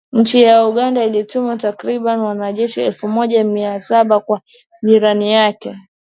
Nchi ya Uganda ilituma takribani wanajeshi elfu moja na mia saba kwa jirani yake, Afrika ya kati hapo mwezi Disemba